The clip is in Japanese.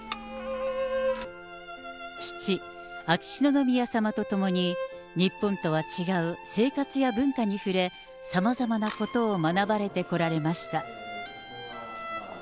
父、秋篠宮さまと共に、日本とは違う生活や文化に触れ、さまざまなことを学ばれてこられました。